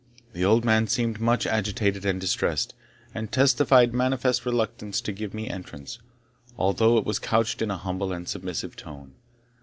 The old man seemed much agitated and distressed, and testified manifest reluctance to give me entrance, although it was couched in a humble and submissive tone.